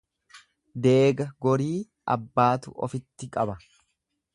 Deega gorii abbaatu ufitti qaba.